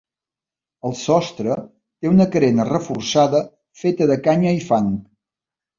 El sostre té una carena reforçada feta de canya i fang.